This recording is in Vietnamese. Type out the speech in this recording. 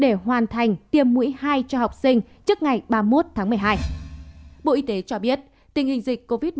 để hoàn thành tiêm mũi hai cho học sinh trước ngày ba mươi